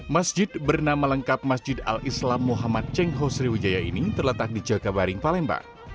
masjid bernama lengkap masjid al islam muhammad cengho sriwijaya ini terletak di cakabaring palembang